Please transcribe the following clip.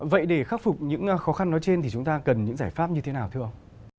vậy để khắc phục những khó khăn nói trên thì chúng ta cần những giải pháp như thế nào thưa ông